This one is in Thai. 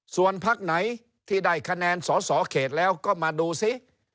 ส่วนพักไหนที่ได้คะแนนสอสอเขตแล้วก็มาดูซิ